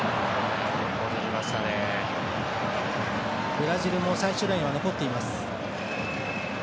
ブラジルも最終ラインは残っています。